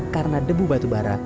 karena debu batu bara